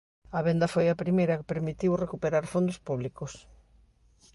A venda foi a primeira que permitiu recuperar fondos públicos.